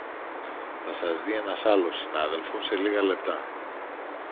θα σας δει ένας άλλος συνάδελφος σε λίγα λεπτά